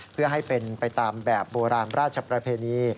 เพื่อให้เป็นไปตามแบบโบราณราชประเพณี